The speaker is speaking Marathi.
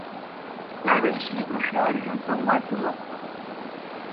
त्यावेळी श्रीकृष्ण अर्जुन संवाद सुरू असतो.